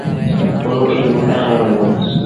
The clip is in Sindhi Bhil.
پنهون ڪيچ مڪرآݩ رو هُݩدو۔